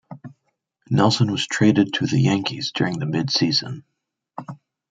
Nelson was traded to the Yankees during the midseason.